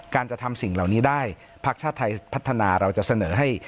จะทำสิ่งเหล่านี้ได้พักชาติไทยพัฒนาเราจะเสนอให้